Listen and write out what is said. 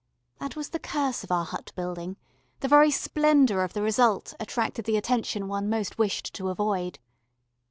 That was the curse of our hut building the very splendour of the result attracted the attention one most wished to avoid.